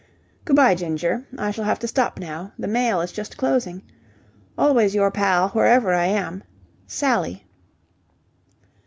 "Good bye, Ginger. I shall have to stop now. The mail is just closing. "Always your pal, wherever I am. SALLY."